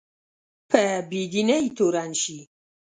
په بې دینۍ تورن شي